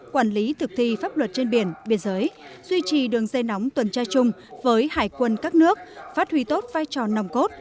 quản lý thực thi pháp luật trên biển biên giới duy trì đường dây nóng tuần tra chung với hải quân các nước phát huy tốt vai trò nòng cốt